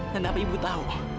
dan apa ibu tahu